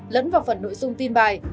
lẫn vào phần nội dung tin bài